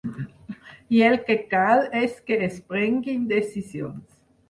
I el que cal és que es prenguin decisions.